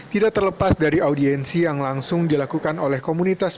tidak terlepas dari audiensi yang langsung dilakukan oleh komunitas